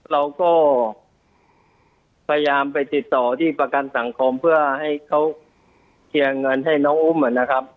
เราก็พยายามไปติดต่อที่ประกันสังคมเพื่อให้เขาเคลียร์เงินให้น้องอุ้มนะครับ